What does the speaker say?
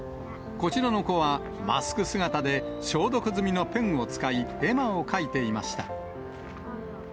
こちらの子は、マスク姿で消毒済みのペンを使い、絵馬を書いていました。